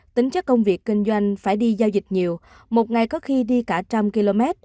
tính chất công việc kinh doanh phải đi giao dịch nhiều một ngày có khi đi cả trăm km